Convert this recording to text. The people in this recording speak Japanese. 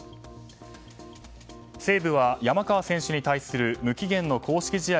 西武は山川選手に対する無期限の公式試合